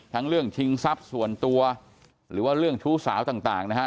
เรื่องชิงทรัพย์ส่วนตัวหรือว่าเรื่องชู้สาวต่างนะฮะ